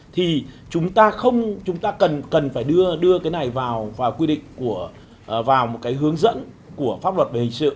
thì chúng ta cần phải đưa cái này vào quy định của vào một cái hướng dẫn của pháp luật về hình sự